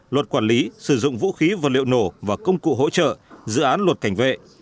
luật quản lý sử dụng vũ khí vật liệu nổ và công cụ hỗ trợ dự án luật cảnh vệ